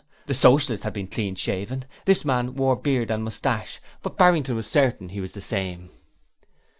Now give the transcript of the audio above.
The Socialist had been clean shaven this man wore beard and moustache but Barrington was certain he was the same.